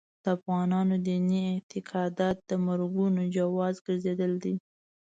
د افغانانو دیني اعتقادات د مرګونو جواز ګرځېدلي دي.